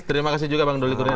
terima kasih juga bang doli kurnia